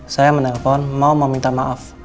saya menelpon mau meminta maaf